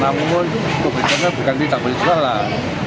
namun publiknya bukan ditampilin jualan